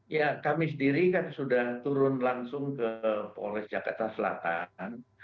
ya kami sendiri kan sudah turun langsung ke polres jakarta selatan